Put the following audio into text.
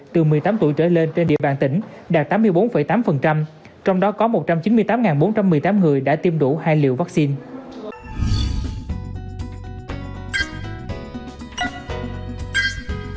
từ một mươi tám tuổi trở lên trên địa bàn tỉnh đạt tám mươi bốn tám trong đó có một trăm chín mươi tám bốn trăm một mươi tám người đã tiêm đủ hai liều vaccine